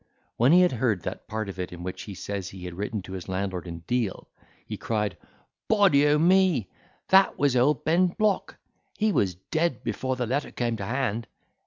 When he heard that part of it in which he says he had written to his landlord in Deal, he cried, "Body o' me! that was old Ben Block; he was dead before the letter came to hand.